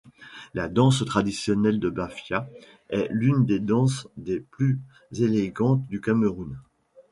La danse traditionnelle de Bafia est l’une des danses des plus élégantes du Cameroun.